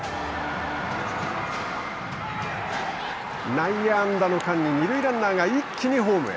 内野安打の間に二塁ランナーが一気にホームへ。